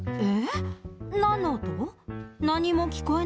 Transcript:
え？